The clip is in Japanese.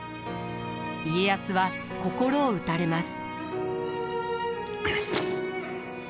家康は心を打たれます。